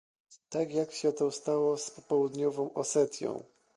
Tak jak to się stało z południową Osetią